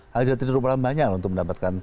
hal di latin rumah banyak loh untuk mendapatkan